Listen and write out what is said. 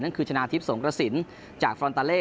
คือชนะทิพย์สงกระสินจากฟรอนตาเล่